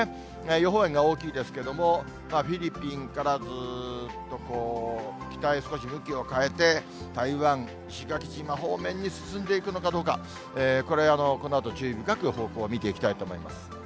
予報円が大きいですけれども、フィリピンからずっと北へ少し向きを変えて、台湾、石垣島方面に進んでいくのかどうか、これ、このあと注意深く方向を見ていきたいと思います。